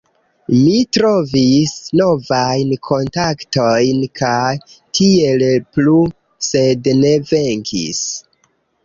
Mi trovis novajn kontaktojn kaj tiel plu sed ne venkis